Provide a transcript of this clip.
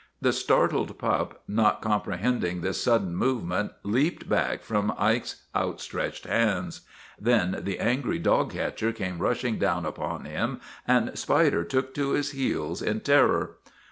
The startled pup, not comprehending this sudden movement, leaped back from Ike's outstretched hands. Then the angry dog catcher came rushing down upon him and Spider took to his heels in terror.